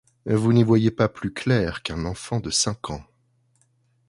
Vous n’y voyez pas plus clair qu’un enfant de cinq ans…